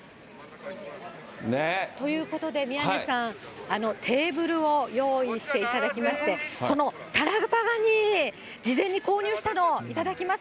ということで宮根さん、テーブルを用意していただきまして、このタラバガニ、事前に購入したのを頂きます。